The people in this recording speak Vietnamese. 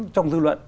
trong dư luận